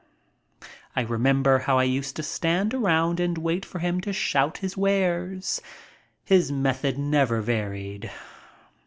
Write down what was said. I remember how I used to stand around and wait for him to shout his wares. His method never varied.